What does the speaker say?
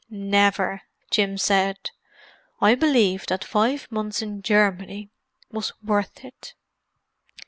"Never!" Jim said. "I believe that five months in Germany was worth it."